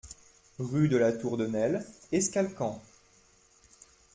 Rue de la Tour de Nesle, Escalquens